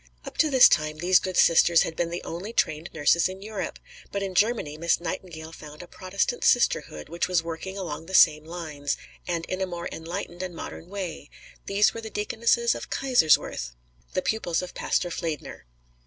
Up to this time these good sisters had been the only trained nurses in Europe; but in Germany Miss Nightingale found a Protestant sisterhood which was working along the same lines, and in a more enlightened and modern way; these were the Deaconesses of Kaiserswerth, the pupils of Pastor Fliedner.